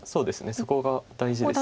そこが大事です。